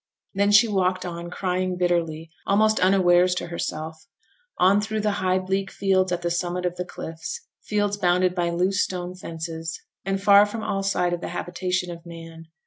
Then she walked on, crying bitterly, almost unawares to herself; on through the high, bleak fields at the summit of the cliffs; fields bounded by loose stone fences, and far from all sight of the habitation of man.